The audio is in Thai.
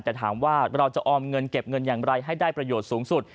แต่ถามว่าเราจะออมเงินเก็บเงินอย่างไรให้ได้ประโยชน์สูงสุด